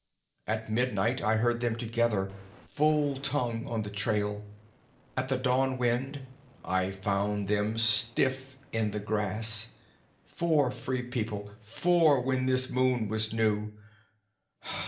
At midnight I heard them together, full tongue on the trail. At the dawn wind I found them stiff in the grass four, Free People, four when this moon was new.